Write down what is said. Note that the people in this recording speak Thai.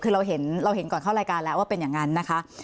คือเราเห็นเราเห็นก่อนเข้ารายการแล้วว่าเป็นอย่างนั้นนะคะ